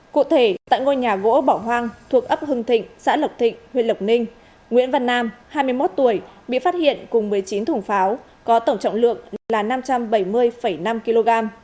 cụ thể tại ngôi nhà gỗ bỏ hoang thuộc ấp hưng thịnh xã lộc thịnh huyện lộc ninh nguyễn văn nam hai mươi một tuổi bị phát hiện cùng một mươi chín thùng pháo có tổng trọng lượng là năm trăm bảy mươi năm kg